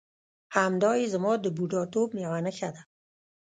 همدایې زما د بوډاتوب یوه نښه ده.